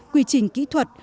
quy trình kỹ thuật